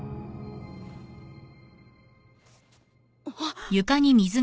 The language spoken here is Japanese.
あっ。